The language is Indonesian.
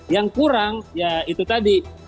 yang kurang ya itu tadi